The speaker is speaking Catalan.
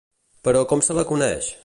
Però com se la coneix?